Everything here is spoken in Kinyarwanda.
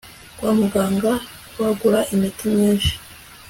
kwamuganga bagura iminti myinshi